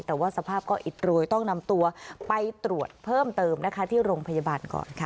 แต่ว่าสภาพก็อิดโรยต้องนำตัวไปตรวจเพิ่มเติมนะคะที่โรงพยาบาลก่อนค่ะ